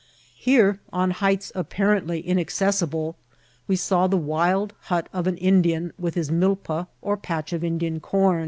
Here, on heights apparently inaccessible, we saw the wild hut of an Indian, with his milpa or patch of Indian com.